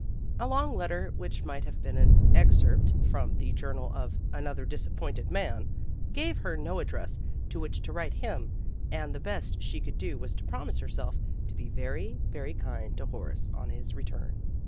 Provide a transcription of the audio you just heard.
A long let ter which might have been an excerpt from the Journal of Another Disappointed Man gave her no address to which to write him, and the best she could do was to promise herself to be very, very kind to Horace on his return.